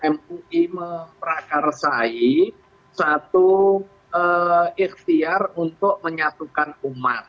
mui memprakarsai satu ikhtiar untuk menyatukan umat